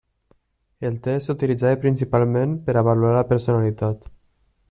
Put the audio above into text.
El test s'utilitzava principalment per a avaluar la personalitat.